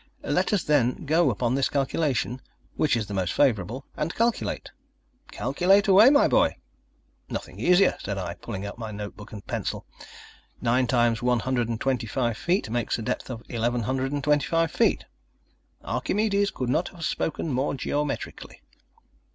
Let us, then, go upon this calculation which is the most favorable and calculate." "Calculate away, my boy." "Nothing easier," said I, pulling out my notebook and pencil. "Nine times one hundred and twenty five feet make a depth of eleven hundred and twenty five feet." "Archimedes could not have spoken more geometrically."